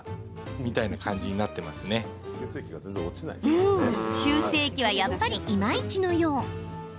うん、修正液はやっぱりいまいちのよう。